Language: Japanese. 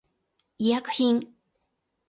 医薬品